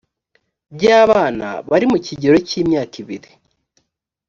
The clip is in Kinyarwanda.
by abana bari mu kigero cy imyaka ibiri